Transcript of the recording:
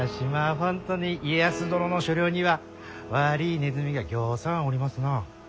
本当に家康殿の所領には悪いネズミがぎょうさんおりますなあ。